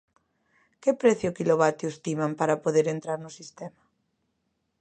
¿Que prezo-quilovatio estiman para poder entrar no sistema?